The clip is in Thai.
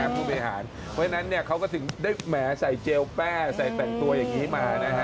เพราะฉะนั้นเขาก็ถึงได้แหมใส่เจลแป้ใส่แต่งตัวอย่างนี้มานะฮะ